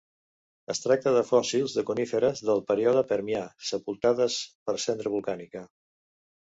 Es tracta de fòssils de coníferes del període Permià, sepultades per cendra volcànica.